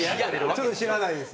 ちょっと知らないです。